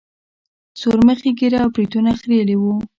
سورمخي ږيره او برېتونه خرييلي وو.